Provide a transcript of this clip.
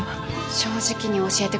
正直に教えて下さい。